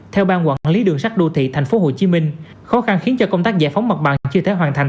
theo ban quản lý đường sắt đô thị tp hcm khó khăn khiến cho công tác giải phóng mặt bằng chưa thể hoàn thành